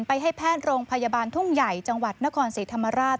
ให้แพทย์โรงพยาบาลทุ่งใหญ่จังหวัดนครศรีธรรมราช